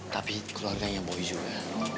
tapi keluarganya boy juga